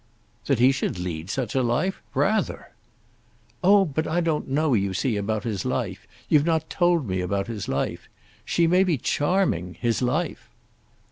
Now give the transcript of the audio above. "That he should lead such a life? Rather!" "Oh but I don't know, you see, about his life; you've not told me about his life. She may be charming—his life!"